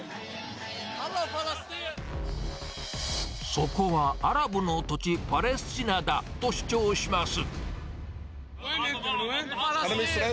そこはアラブの土地、パレスチナだと主張します。